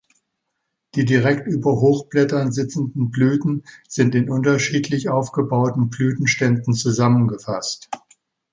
Die direkt über Hochblättern sitzenden Blüten sind in unterschiedlich aufgebauten Blütenständen zusammengefasst.